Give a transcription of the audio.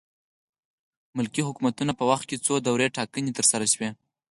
ملکي حکومتونو په وخت کې څو دورې ټاکنې ترسره شوې.